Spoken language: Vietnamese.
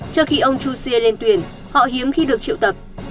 trước khi ông chu siê lên tuyển họ hiếm khi được triệu tập